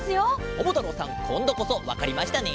ももたろうさんこんどこそわかりましたね？